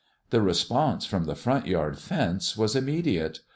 The response from the front yard fence was immediate.